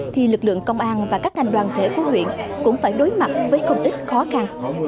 thì lực lượng công an và các ngành đoàn thể của huyện cũng phải đối mặt với không ít khó khăn